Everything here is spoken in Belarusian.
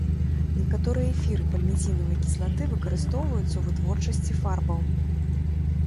Некаторыя эфіры пальміцінавай кіслаты выкарыстоўваюцца ў вытворчасці фарбаў.